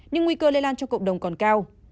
nhưng nguy cơ lây lan cho cộng đồng còn cao